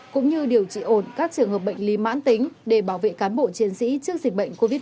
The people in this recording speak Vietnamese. cũng như điều trị ổn các trường hợp bệnh lý mãn tính để bảo vệ cán bộ chiến sĩ trước dịch bệnh covid một mươi chín